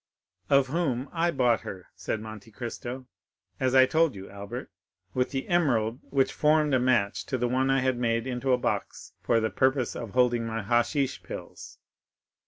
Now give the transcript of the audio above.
"Of whom I bought her," said Monte Cristo, "as I told you, Albert, with the emerald which formed a match to the one I had made into a box for the purpose of holding my hashish pills."